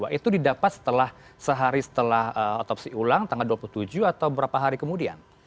itu didapat setelah sehari setelah otopsi ulang tanggal dua puluh tujuh atau berapa hari kemudian